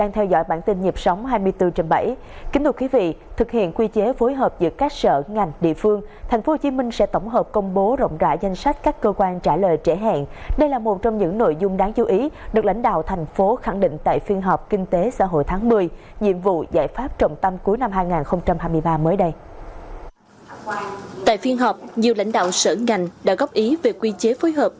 tại phiên họp nhiều lãnh đạo sở ngành đã góp ý về quy chế phối hợp